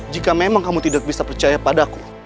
jika memang kamu tidak bisa percaya padaku